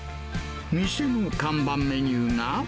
店の看板メニューが。